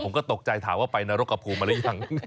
ผมก็ตกใจถามว่าไปนรกกระภูมิมาหรือยัง